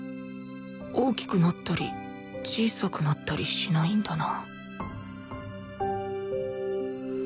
大きくなったり小さくなったりしないんだな